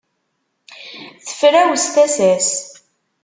Tefrawes tasa-s.